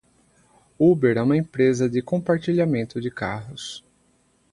Uber é uma empresa de compartilhamento de carros.